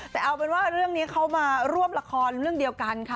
แต่เอาเป็นว่าเรื่องนี้เขามาร่วมละครเรื่องเดียวกันค่ะ